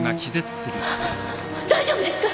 大丈夫ですか？